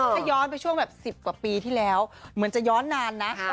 ถ้าย้อนไปช่วงแบบ๑๐กว่าปีที่แล้วเหมือนจะย้อนนานนะ